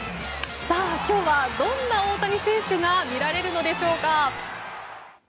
さあ、今日はどんな大谷選手が見られるのでしょうか。